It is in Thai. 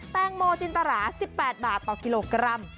แตงโมจินตรา๑๘บาทต่อกิโลกรัม